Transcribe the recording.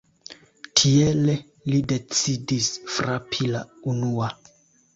Tiele li decidis frapi la unua.